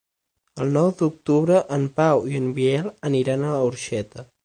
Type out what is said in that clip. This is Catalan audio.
El nou d'octubre en Pau i en Biel aniran a Orxeta.